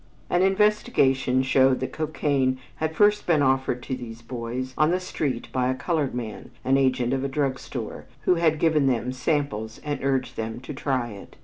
An investigation showed that cocaine had first been offered to these boys on the street by a colored man, an agent of a drug store, who had given them samples and urged them to try it.